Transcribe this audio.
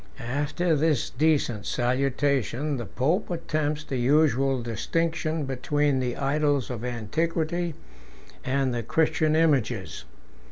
After this decent salutation, the pope attempts the usual distinction between the idols of antiquity and the Christian images.